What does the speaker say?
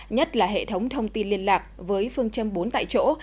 nhất là hệ thống thông tin liên lạc với phương châm bốn tại chỗ